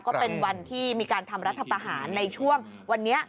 ก็เป็นวันที่มีการทำรัฐประหารในช่วงวันนี้